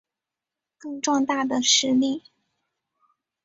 更壮大的实力